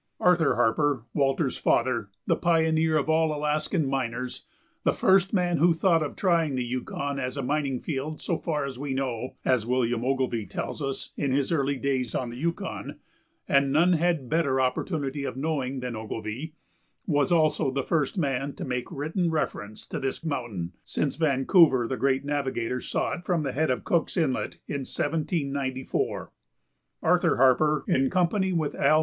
Arthur Harper, Walter's father, the pioneer of all Alaskan miners, "the first man who thought of trying the Yukon as a mining field so far as we know," as William Ogilvie tells us in his "Early Days on the Yukon" (and none had better opportunity of knowing than Ogilvie), was also the first man to make written reference to this mountain, since Vancouver, the great navigator, saw it from the head of Cook's Inlet in 1794. Arthur Harper, in company with Al.